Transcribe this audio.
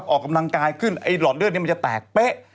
ออกกำลังกายขึ้นไอ้หลอดเลือดนี้มันจะแตกเป๊ะ